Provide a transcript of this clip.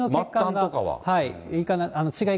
末端とかは。